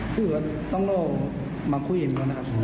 เพื่อต้องโลกมาคุยกันก่อนนะครับ